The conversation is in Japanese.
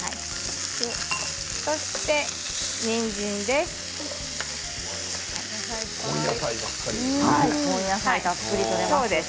そして、にんじんです。